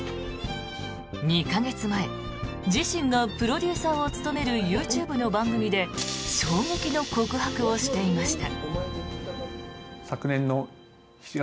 ２か月前自身がプロデューサーを務めるＹｏｕＴｕｂｅの番組で衝撃の告白をしていました。